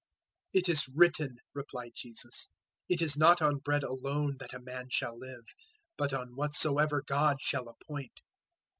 004:004 "It is written," replied Jesus, "`It is not on bread alone that a man shall live, but on whatsoever God shall appoint.'"